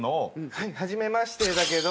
はいはじめましてだけど。